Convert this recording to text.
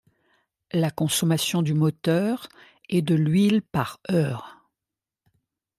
La consommation du moteur est de d'huile par heure.